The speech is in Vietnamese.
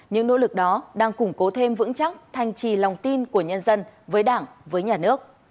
những nỗ lực đó đang củng cố thêm vững chắc thanh trì lòng tin của nhân dân với đảng với nhà nước